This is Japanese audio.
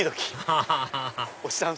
アハハハおっさん